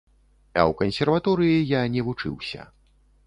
А ў кансерваторыі я не вучыўся.